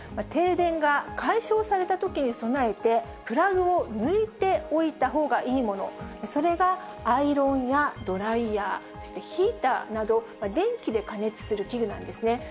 停電が解消されたときに備えて、プラグを抜いておいたほうがいいもの、それがアイロンや、ドライヤー、そしてヒーターなど、電気で加熱する器具なんですね。